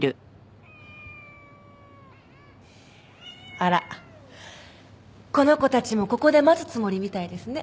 あらこの子たちもここで待つつもりみたいですね。